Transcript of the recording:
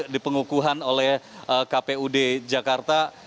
di pengukuhan oleh kpud jakarta